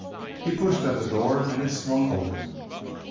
He pushed at the door, and it swung open.